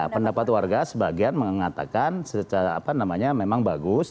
pendapat warga sebagian mengatakan memang bagus